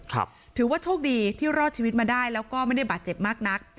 ถือว่าโชคดีที่รอดชีวิตมาได้แล้วก็ไม่ได้บาดเจ็บมากนัก